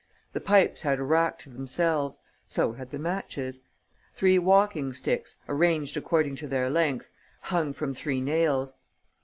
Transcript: The pipes had a rack to themselves; so had the matches. Three walking sticks, arranged according to their length, hung from three nails.